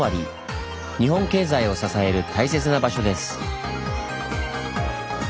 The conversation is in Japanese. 日本経済を支える大切な場所です。